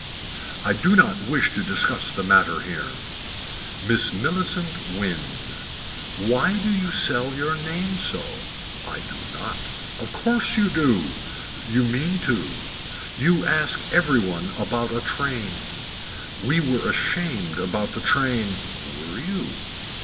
I do not wish to discuss the matter here. Miss Millicent Wynne. Why do you sell your name so. I do not. Of course you do. You mean to. You ask every one about a train. We were ashamed about the train. Were you.